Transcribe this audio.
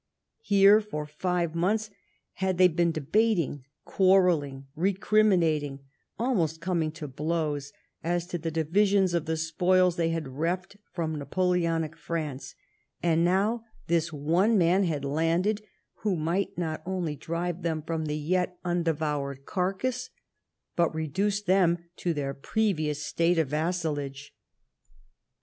Here, for five months, had they been debating, quarrelling, recriminating, almost coming to blows, as to the division of the spoils they had reft from Napoleonic France ; and, now, this one man TEE HUNDRED DATS. 137 had landed, who might not only drive them from the yet undevoured carcase, but reduce them to their previous state of vassalage.